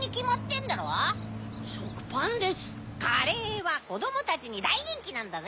カレーはこどもたちにだいにんきなんだぜ。